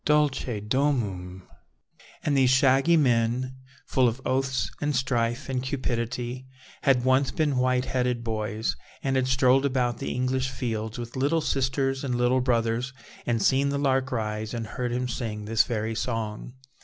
Dulce domum! And these shaggy men, full of oaths and strife and cupidity, had once been white headed boys, and had strolled about the English fields with little sisters and little brothers, and seen the lark rise, and heard him sing this very song.